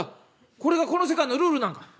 これがこの世界のルールなんか？」。